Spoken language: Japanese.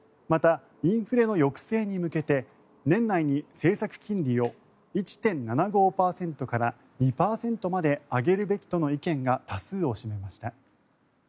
また、インフレの抑制に向けて年内に政策金利を１．７５％から２％まで上げるべきとの意見が多数を占めました。